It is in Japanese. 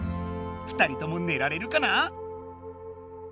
２人ともねられるかな？